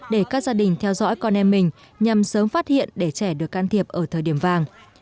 để các gia đình theo dõi con em mình nhằm sớm phát hiện để trẻ được can thiệp ở thời điểm vàng